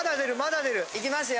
いきますよ！